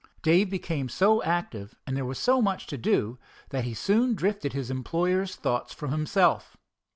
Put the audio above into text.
Dave became so active, and there was so much to do, that he soon drifted his employer's thoughts from himself.